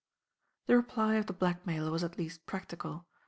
The reply of the blackmailer was at least practical.